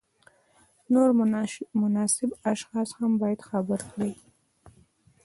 نور مناسب اشخاص هم باید خبر کړي.